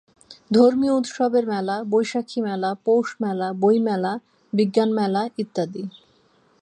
ধর্মীয় উৎসবের মেলা, বৈশালী মেলা, পৌষ মেলা, বই মেলা, বিজ্ঞান মেলা ইত্যাদি।